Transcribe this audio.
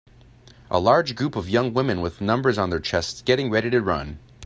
A large group of young women with numbers on their chests getting ready to run.